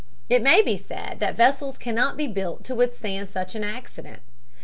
It may be said that vessels cannot be built to withstand such an accident.